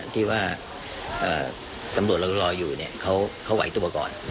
ที่ว่าตำรวจรออยอยู่เขาไหวตุปกรณ์